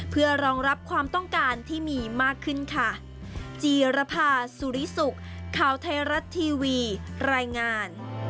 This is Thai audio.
เพื่อรองรับความต้องการที่มีมากขึ้นค่ะ